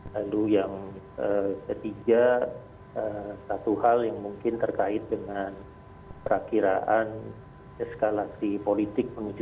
lalu yang ketiga satu hal yang mungkin terkait dengan perakiraan eskalasi politik menuju dua ribu dua puluh empat